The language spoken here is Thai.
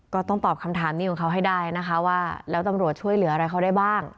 ก็ต้องตอบคำถามนี้ของเขาให้ได้นะคะว่าแล้วตำรวจช่วยเหลืออะไรเขาได้บ้าง